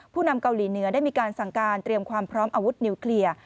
นำเกาหลีเหนือได้มีการสั่งการเตรียมความพร้อมอาวุธนิวเคลียร์